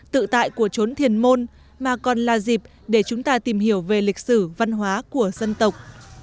tự tại của trốn thiền môn mà còn là dịp để chúng ta tìm hiểu về lịch sử văn hóa của dân tộc